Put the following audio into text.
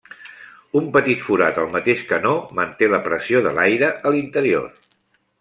Un petit forat al mateix canó, manté la pressió de l'aire a l'interior.